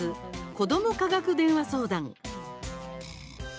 子ども科学電話相談」。